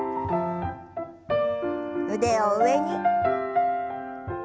腕を上に。